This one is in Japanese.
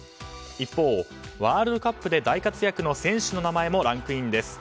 一方、ワールドカップで大活躍の選手の名前もランクインです。